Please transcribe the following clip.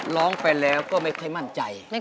ร้องไปแล้วก็ไม่ค่อยมั่นใจ